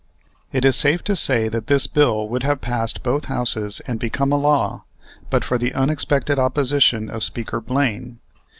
It is safe to say that this bill would have passed both Houses and become a law, but for the unexpected opposition of Speaker Blaine.